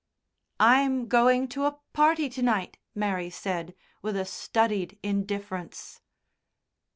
"I'm going to a party to night," Mary said, with a studied indifference.